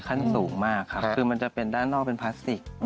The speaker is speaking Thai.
ขั้นสูงมากครับคือมันจะเป็นด้านนอกเป็นพลาสติก